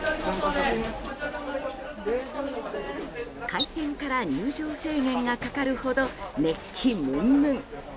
開店から入場制限がかかるほど熱気むんむん。